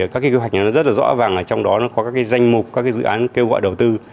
các kế hoạch rất rõ vàng trong đó có các danh mục các dự án kêu gọi đầu tư